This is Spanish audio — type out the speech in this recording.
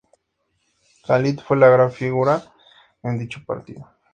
Khalid fue la gran figura en dicho partido.